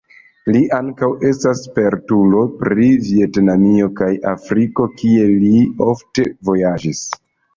Li ankaŭ estas spertulo pri Vjetnamio kaj Afriko, kien li ofte vojaĝis.